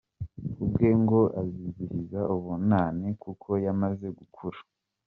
Ku bwe ngo azizihiza ubunani kuko yamaze gukura.